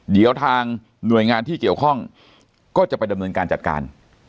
เดี๋ยวทางหน่วยงานที่เกี่ยวข้องก็จะไปดำเนินการจัดการ